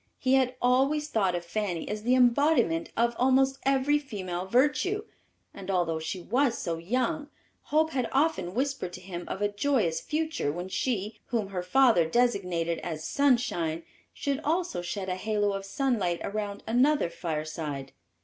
He had always thought of Fanny as the embodiment of almost every female virtue, and although she was so young, hope had often whispered to him of a joyous future when she, whom her father designated as "Sunshine," should also shed a halo of sunlight around another fireside.